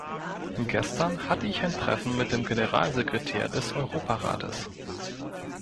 Gestern hatte ich ein Treffen mit dem Generalsekretär des Europarates.